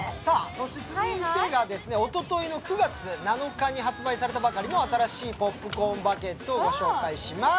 続いてがおとといの９月７日に発売されたばかりの新しいポップコーンバケットを紹介します。